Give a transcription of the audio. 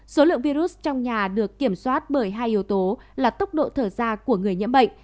số lượng virus trong nhà được kiểm soát bởi hai yếu tố là tốc độ thở da của người nhiễm bệnh